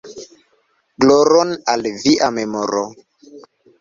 Gloron al via memoro!".